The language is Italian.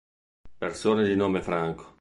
Persone di nome Franco